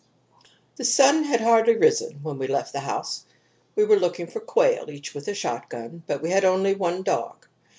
II "...The sun had hardly risen when we left the house. We were looking for quail, each with a shotgun, but we had only one dog.